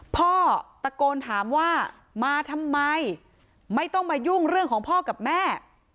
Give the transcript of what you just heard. พ่อตะโกนถามว่ามาทำไมไม่ต้องมายุ่งเรื่องของพ่อกับแม่